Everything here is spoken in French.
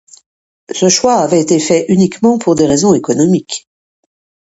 Ce choix avait été fait uniquement pour des raisons économiques.